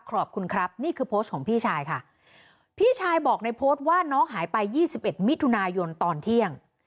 ขอบคุณครับนี่คือโพสต์ของพี่ชายค่ะพี่ชายบอกในโพสต์ว่าน้องหายไป๒๑มิถุนายนตอนเที่ยง